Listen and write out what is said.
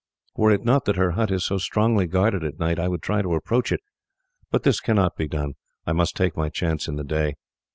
Were it not that her hut is so strongly guarded at night I would try to approach it, but as this cannot be done I must take my chance in the day.